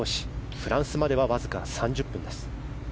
フランスまではわずか３０分です。